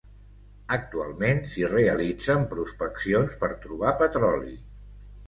Actualment s'hi realitzen prospeccions per trobar petroli.